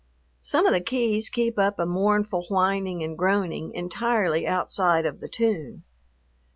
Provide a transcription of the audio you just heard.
Some of the keys keep up a mournful whining and groaning, entirely outside of the tune.